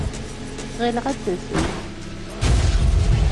Ɣileɣ ad d-tasemt.